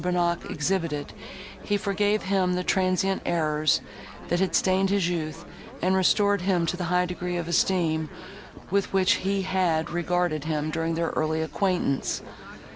Bonnac exhibited, he forgave him the transient errors, that had stained his youth, and restored him to the high degree of esteem, with which he had regarded him, during their early acquaintance.